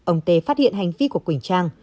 ông tê phát hiện hành vi của quỳnh trang